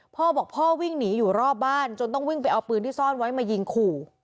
พ่อบอกพ่อวิ่งหนีอยู่รอบบ้านจนต้องวิ่งไปเอาปืนที่ซ่อนไว้มายิงขู่